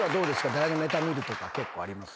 誰のネタ見るとか結構あります？